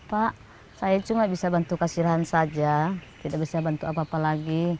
pak saya cuma bisa bantu kasihan saja tidak bisa bantu apa apa lagi